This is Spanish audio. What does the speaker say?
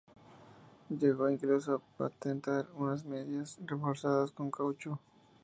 Llegó incluso a patentar unas medias reforzadas con caucho.